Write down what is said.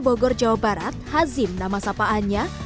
bogor jawa barat hazim nama sapaannya memanfaatkan lahan kosong bekas tempat